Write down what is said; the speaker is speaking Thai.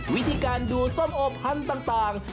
วิธีการดูส้มโอพันธุ์ต่าง